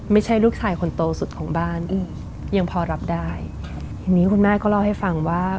ไม่ใช่ลูกชายคนโตสุดของบ้านอืมยังพอรับได้ครับทีนี้คุณแม่ก็เล่าให้ฟังว่า